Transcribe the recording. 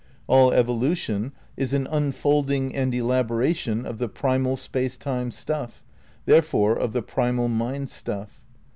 All evolution is an unfolding and elabora tion of the primal Space Time stuff, therefore of the primal naind stuff.